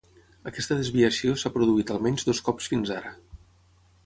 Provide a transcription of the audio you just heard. Aquesta desviació s'ha produït al menys dos cops fins ara.